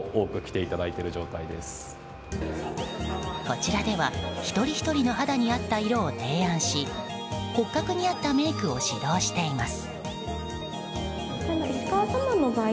こちらでは一人ひとりの肌に合った色を提案し骨格に合ったメイクを指導しています。